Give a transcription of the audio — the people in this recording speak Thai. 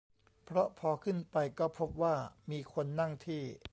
เพราะพอขึ้นไปก็พบว่ามีคนนั่งที่